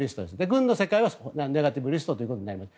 軍の世界はネガティブリストということになります。